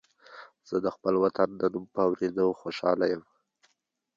زه د خپل وطن د نوم په اورېدو خوشاله یم